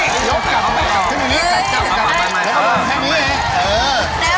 อีกแค่กลับกลับไป